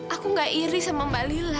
aku gak iri sama mbak lila